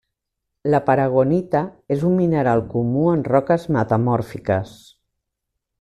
La paragonita és un mineral comú en roques metamòrfiques.